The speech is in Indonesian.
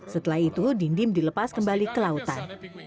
setelah itu dindim dilepas kembali ke lautan